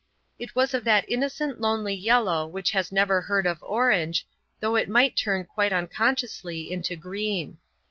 It was of that innocent lonely yellow which has never heard of orange, though it might turn quite unconsciously into green.